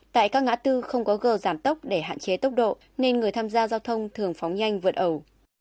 tại các ngã tư không có gờ giảm tốc để hạn chế tốc độ nên người tham gia giao thông thường phóng nhanh vượt ẩu